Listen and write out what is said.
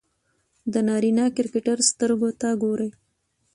د نارينه کرکټر سترګو ته ګوري